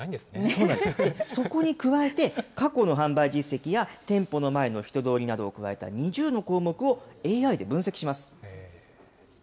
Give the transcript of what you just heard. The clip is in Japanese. そうなんです、そこに加えて、過去の販売実績や店舗の前の人通りなどを加えた２０の項目をＡＩで分析します。